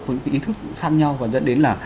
cái ý thức khác nhau và dẫn đến là